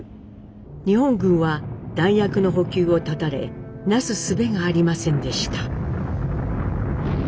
日本軍は弾薬の補給を断たれなすすべがありませんでした。